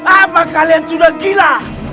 apa kalian sudah gila